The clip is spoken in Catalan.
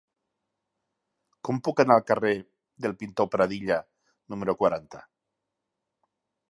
Com puc anar al carrer del Pintor Pradilla número quaranta?